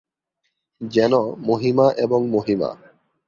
যেন 'মহিমা এবং মহিমা'।